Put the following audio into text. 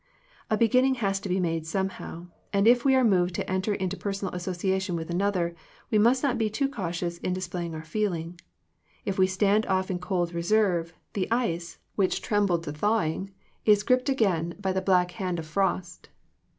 A beginning has to be made somehow, and if we are moved to enter into personal association with another, we must not be too cautious in display ing our feeling. If we stand off in cold reserve, the ice, which trembled to thaw 47 Digitized by VjOOQIC THE CULTURE OF FRIENDSHIP ing, is gripped again by the black hand of frost.